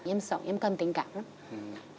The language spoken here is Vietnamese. em sống em cần tình cảm lắm